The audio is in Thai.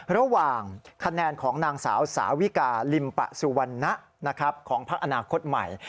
ระหว่างคะแนนของนางสาวสาวิกาลิมปะสุวรรณะของพักอนาคตใหม่